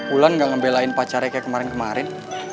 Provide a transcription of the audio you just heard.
wulan gak ngebelain pacarnya kayak kemarin kemarin